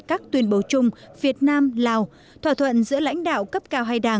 các tuyên bố chung việt nam lào thỏa thuận giữa lãnh đạo cấp cao